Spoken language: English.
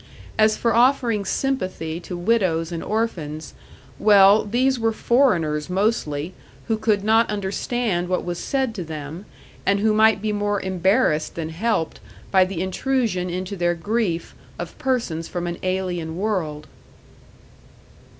As for offering sympathy to widows and orphans well, these were foreigners mostly, who could not understand what was said to them, and who might be more embarrassed than helped by the intrusion into their grief of persons from an alien world.